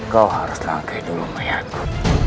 kau harus langkah dulu mayatku